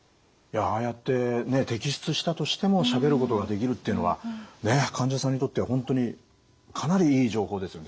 ああやって摘出したとしてもしゃべることができるっていうのは患者さんにとっては本当にかなりいい情報ですよ。